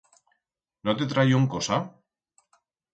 No te trayión cosa?